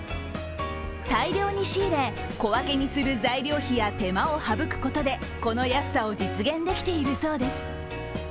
大量に仕入れ、小分けにする材料費や手間を省くことでこの安さを実現できているそうです。